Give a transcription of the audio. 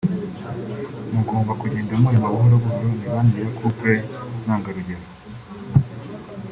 mugomba kugenda murema buhoro buhoro imibanire ya couple ntangarugero